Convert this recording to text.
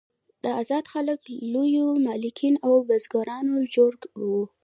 دا آزاد خلک له لویو مالکین او بزګرانو جوړ وو.